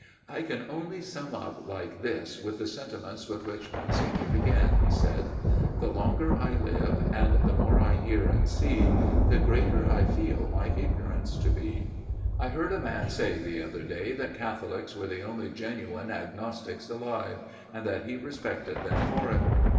" I can only sum up like this with the sentiments with which Monsignor began," he said. ' The longer I live and the more I hear and see, the greater I feel my ignorance to be. I heard a 300 A MIRROR OF SHALOTT man say the other day that Catholics were the only genuine agnostics alive ; and that he respected them for it.